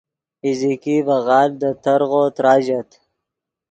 ایزیکی ڤے غالڤ دے ترغو تراژت